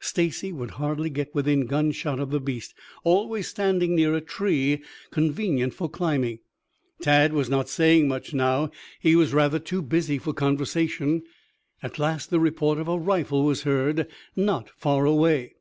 Stacy would hardly get within gun shot of the beast, always standing near a tree convenient for climbing. Tad was not saying much now. He was rather too busy for conversation. At last the report of a rifle was heard not far away.